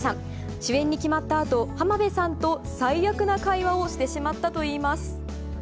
主演に決まったあと、浜辺さんと最悪な会話をしてしまったといいます。